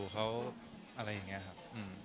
เขาอะไรอย่างนี้ครับ